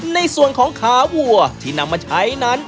ในส่วนของขาวัวที่นำมาใช้นั้น